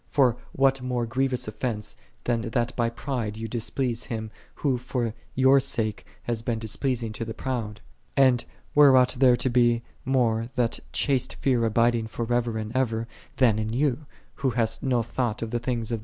For what more grievous offense, than that by pride thou displease Him, Who for thy ' sake hath been displeasing to the proud ? I And where ought there to be more that I " chaste fear abiding for ever and ever,11 than | in thee, who hast no thought of the things of